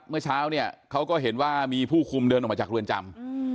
เมื่อเช้าเนี่ยเขาก็เห็นว่ามีผู้คุมเดินออกมาจากเรือนจำ